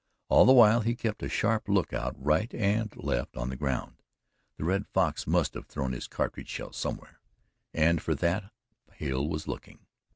All the while he kept a sharp lookout, right and left, on the ground the Red Fox must have thrown his cartridge shell somewhere, and for that Hale was looking.